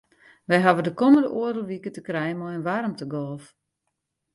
Wy hawwe de kommende oardel wike te krijen mei in waarmtegolf.